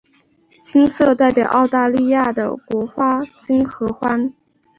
金色代表澳大利亚的国花金合欢。